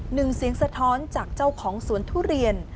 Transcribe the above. หนึ่งเสียงสะท้อนจากเจ้าของสวนทุเรียน